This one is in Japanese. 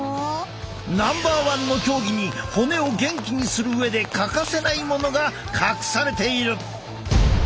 ナンバーワンの競技に骨を元気にする上で欠かせないものが隠されている！